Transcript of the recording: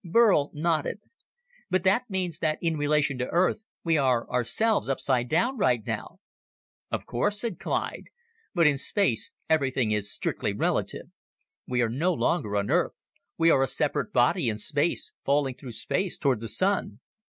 Burl nodded. "But that means that in relation to Earth we are ourselves upside down right now!" "Of course," said Clyde. "But in space, everything is strictly relative. We are no longer on Earth. We are a separate body in space, falling through space toward the Sun."